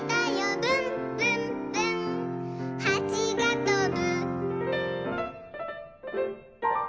「ぶんぶんぶんはちがとぶ」